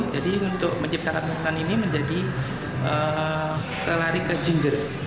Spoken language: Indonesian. jadi untuk menciptakan minuman ini menjadi terlarik ke ginger